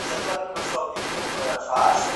¬ کاڼی به پوست نه سي، دښمن به دوست نه سي.